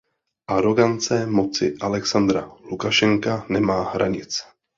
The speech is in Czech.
Arogance moci Alexandra Lukašenka nemá hranic.